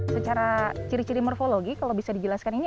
secara ciri ciri morfologi kalau bisa dijelaskan ini